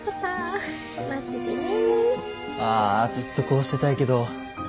ああずっとこうしてたいけど。